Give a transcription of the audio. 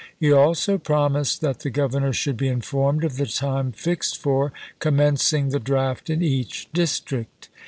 He also promised that the Governor should be informed of the time fixed for commencing the draft in each district.